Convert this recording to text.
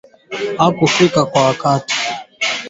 Bana mu ngola meno mbili